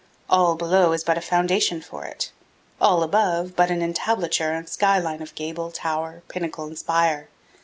All below is but a foundation for it; all above, but an entablature and sky line of gable, tower, pinnacle, and spire.